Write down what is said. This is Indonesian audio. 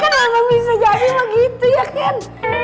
tapi kan memang bisa jadi begitu ya kan